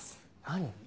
何？